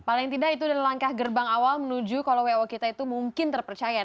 paling tidak itu adalah langkah gerbang awal menuju kalau wo kita itu mungkin terpercaya